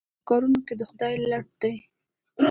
په خپلو کارونو کې د خدای لټ دی.